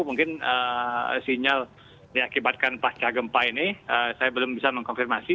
mungkin sinyal diakibatkan pasca gempa ini saya belum bisa mengkonfirmasi